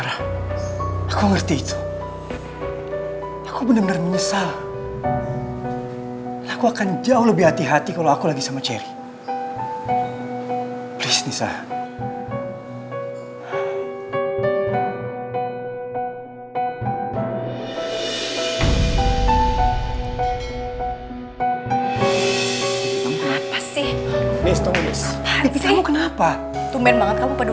sampai jumpa di video selanjutnya